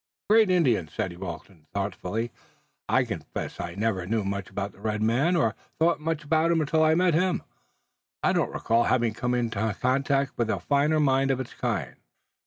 "A great Indian," said young Wilton thoughtfully. "I confess that I never knew much about the red men or thought much about them until I met him. I don't recall having come into contact with a finer mind of its kind."